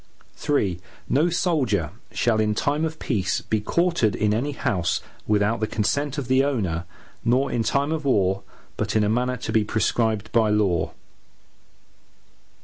III No soldier shall, in time of peace be quartered in any house, without the consent of the owner, nor in time of war, but in a manner to be prescribed by law.